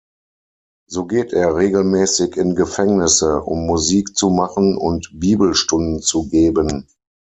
So geht er regelmäßig in Gefängnisse, um Musik zu machen und Bibelstunden zu geben.